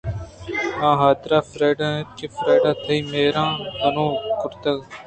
آحاتر فریڈا اِنت کہ فریڈا تئی مہر اں گنوک کرتگ